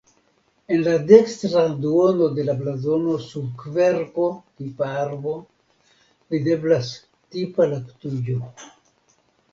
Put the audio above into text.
En la dekstra duono de la blazono sub kverko (tipa arbo) videblas tipa laktujo.